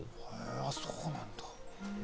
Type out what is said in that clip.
そうなんだ。